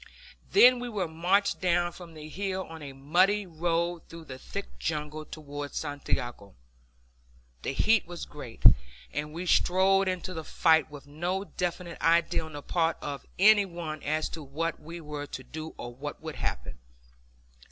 Then we were marched down from the hill on a muddy road through thick jungle towards Santiago. The heat was great, and we strolled into the fight with no definite idea on the part of any one as to what we were to do or what would happen.